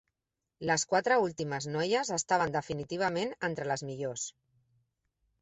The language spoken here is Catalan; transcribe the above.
Les quatre últimes noies estaven definitivament entre les millors.